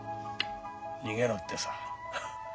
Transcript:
「逃げろ」ってさ。